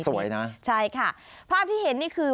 สวยนะใช่ค่ะภาพที่เห็นนี่คือ